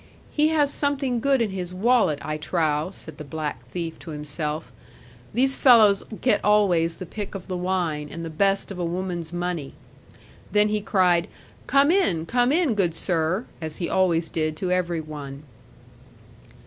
'He has something good in his wallet, I trow,' said the black thief to himself; 'these fellows get always the pick of the wine, and the best of a woman's money.' Then he cried, 'Come in, come in, good sir,' as he always did to every one.